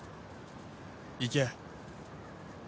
行け。